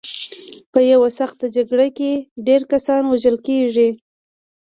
په یوه سخته جګړه کې ډېر کسان وژل کېږي.